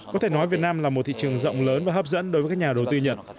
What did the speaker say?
có thể nói việt nam là một thị trường rộng lớn và hấp dẫn đối với các nhà đầu tư nhật